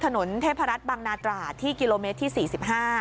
ถนนเทพรัตน์บังนาตราที่กิโลเมตรที่สี่สิบห้า